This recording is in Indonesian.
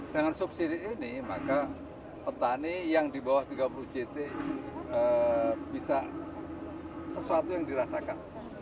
dengan subsidi ini maka petani yang di bawah tiga puluh jt bisa sesuatu yang dirasakan